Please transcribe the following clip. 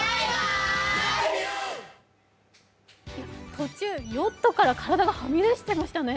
途中、ヨットから体がはみ出してましたね。